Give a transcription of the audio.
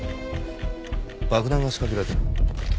爆弾が仕掛けられてる。